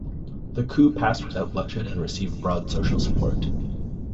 The coup passed without bloodshed and received broad social support.